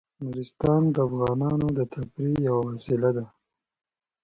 نورستان د افغانانو د تفریح یوه وسیله ده.